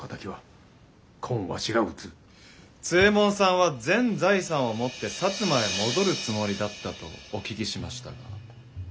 津右衛門さんは全財産を持って薩摩へ戻るつもりだったとお聞きしましたが。